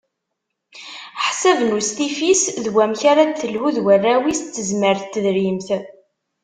Ḥsab n ustifi-s d wamek ara d-telhu d warraw-is d tezmart n tedrimt.